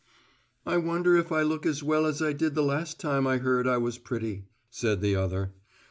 "I wonder if I look as well as I did the last time I heard I was pretty," said the other.